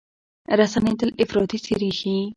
رسنۍ تل افراطي څېرې ښيي.